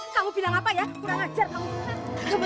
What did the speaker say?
kamu bilang apa ya kurang ajar kamu